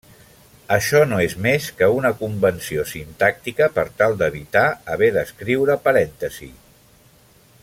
Això no és més que una convenció sintàctica per tal d'evitar haver d'escriure parèntesis.